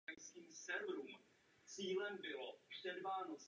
Hra je zasazena do fantasy světa postaveném na norské mytologii.